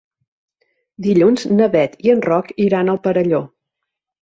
Dilluns na Bet i en Roc iran al Perelló.